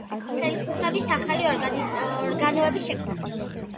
ხელისუფლების ახალი ორგანოების შექმნა